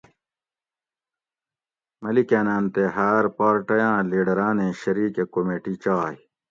ملِکاۤناۤن تے ہاۤر پارٹئی آں لیڈراۤنیں شریک ا کُمیٹئی چائے